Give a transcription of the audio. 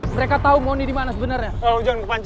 mereka tau mau undi dimana sebenernya